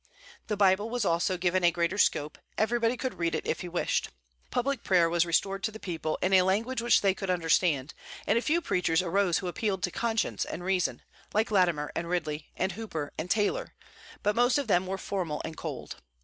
The Bible was also given a greater scope; everybody could read it if he wished. Public prayer was restored to the people in a language which they could understand, and a few preachers arose who appealed to conscience and reason, like Latimer and Ridley, and Hooper and Taylor; but most of them were formal and cold.